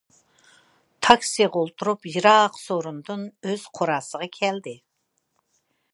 تاكسىغا ئولتۇرۇپ يىراق سورۇندىن ئۆز قورۇسىغا كەلدى.